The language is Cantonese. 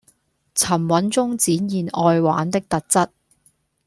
沉穩中展現愛玩的特質